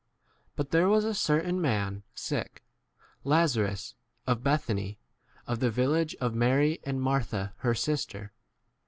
But there was a certain [man] sick, Lazarus of Bethany, of the village of Mary and Martha her 2 sister.